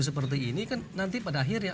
seperti ini kan nanti pada akhirnya